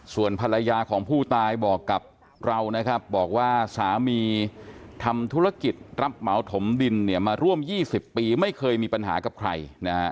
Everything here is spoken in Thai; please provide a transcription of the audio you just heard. ส่วนภรรยาของผู้ตายบอกกับเรานะครับบอกว่าสามีทำธุรกิจรับเหมาถมดินเนี่ยมาร่วม๒๐ปีไม่เคยมีปัญหากับใครนะฮะ